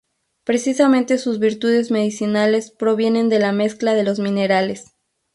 Precisamente sus virtudes medicinales provienen de la mezcla de los minerales.